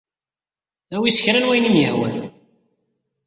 Awey s kra n wayen ay am-yehwan.